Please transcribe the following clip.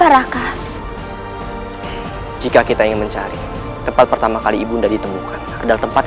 nah kak ini mamin pake jurus muka dua w tuh